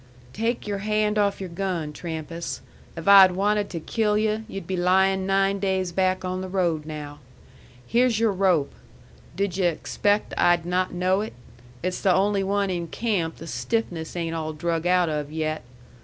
"Take your hand off your gun, Trampas. If I had wanted to kill yu' you'd be lying nine days back on the road now. Here's your rope. Did yu' expect I'd not know it? It's the only one in camp the stiffness ain't all drug out of yet.